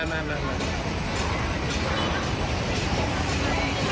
กดไม่ได้ใช่ไหม